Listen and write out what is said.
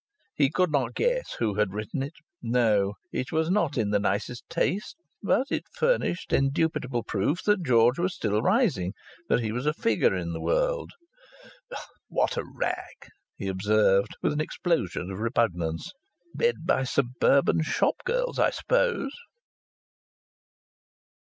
He could not guess who had written it. No! It was not in the nicest taste, but it furnished indubitable proof that George was still rising, that he was a figure in the world. "What a rag!" he observed, with an explosion of repugnance. "Read by suburban shop girls, I suppose."